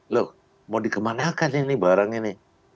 loh mau dikemanakan ini barang ini